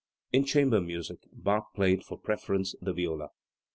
In chamber music Bach played for preference the viola.